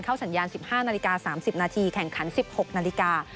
สัญญาณ๑๕นาฬิกา๓๐นาทีแข่งขัน๑๖นาฬิกา